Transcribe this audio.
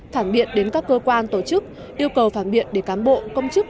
phản biện đến các cơ quan tổ chức yêu cầu phản biện để cán bộ công chức